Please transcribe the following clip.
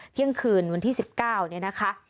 เที่ยงคืนวันที่๑๙เนี่ยนะคะ